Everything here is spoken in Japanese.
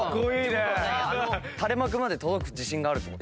あの垂れ幕まで届く自信があるってこと？